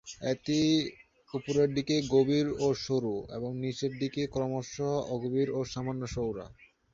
এটি উপরের দিকে গভীর ও সরু, এবং নিচের দিকে ক্রমশ অগভীর ও সামান্য চওড়া।